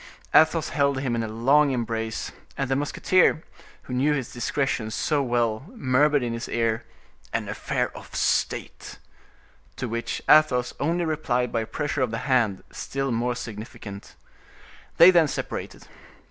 Athos held him in a long embrace, and the musketeer, who knew his discretion so well, murmured in his ear—"An affair of state," to which Athos only replied by a pressure of the hand, still more significant. They then separated.